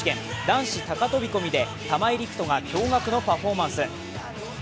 男子高飛び込みで玉井陸斗が驚がくのパフォーマンス。